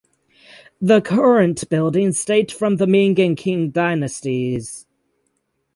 The current buildings date from the Ming and Qing dynasties.